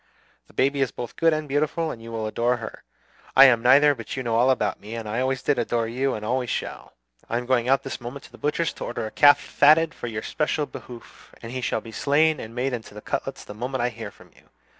The baby is both good and beautiful, and you will adore her. I am neither; but you know all about me, and I always did adore you and always shall. I am going out this moment to the butcher's to order a calf fatted for your special behoof; and he shall be slain and made into cutlets the moment I hear from you.